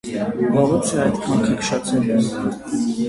- Վաղուց է՞ այդքան քնքշացել ես: